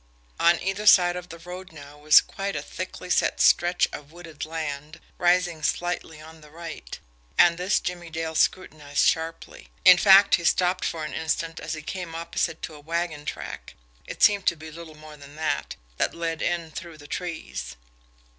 On either side of the road now was quite a thickly set stretch of wooded land, rising slightly on the right and this Jimmie Dale scrutinised sharply. In fact, he stopped for an instant as he came opposite to a wagon track it seemed to be little more than that that led in through the trees.